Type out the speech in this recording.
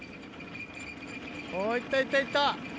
おぉいったいったいった。